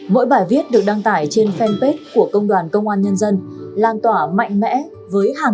mỗi bài viết được đăng tải trên fanpage của công đoàn công an nhân dân lan tỏa mạnh mẽ với hàng